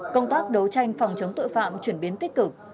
công tác đấu tranh phòng chống tội phạm chuyển biến tích cực